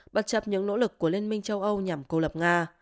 bất chấp những nỗ lực của liên minh châu âu nhằm cô lập nga